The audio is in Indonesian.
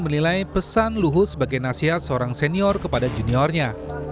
menilai pesan luhut sebagai nasihat seorang senior kepada juniornya